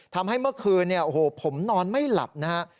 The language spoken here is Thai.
ทำให้เมื่อคืนเนี่ยโอ้โหผมนอนไม่หลับนะฮะ